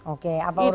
oke apa urusannya